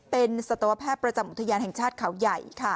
เป็นสัตวแพทย์ประจำอุทยานแห่งชาติเขาใหญ่ค่ะ